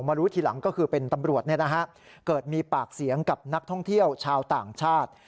รู้ทีหลังก็คือเป็นตำรวจเกิดมีปากเสียงกับนักท่องเที่ยวชาวต่างชาติ